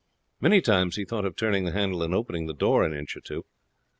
Many times he thought of turning the handle and opening the door an inch or two.